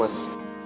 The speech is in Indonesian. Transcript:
buat apaan nih